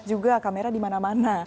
juga kamera di mana mana